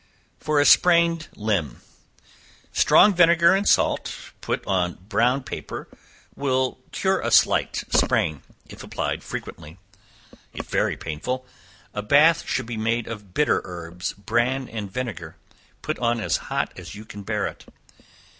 For a Sprained Limb. Strong vinegar and salt, put on brown paper, will soon cure a slight sprain, if applied frequently. If very painful, a bath should be made of bitter herbs, bran and vinegar, put on as hot as you can bear it.